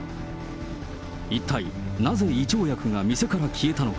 一体なぜ胃腸薬が店から消えたのか。